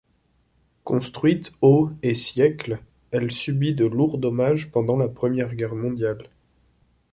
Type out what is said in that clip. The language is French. Construite au et siècle, elle subit de lourds dommages pendant la Première Guerre mondiale.